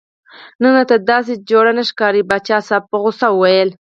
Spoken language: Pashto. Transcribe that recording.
نن راته داسې جوړ نه ښکارې پاچا صاحب په غوسه وویل.